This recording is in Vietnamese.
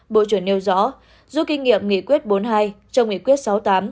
bộ trưởng nêu rõ giúp kinh nghiệm nghị quyết bốn mươi hai trong nghị quyết sáu mươi tám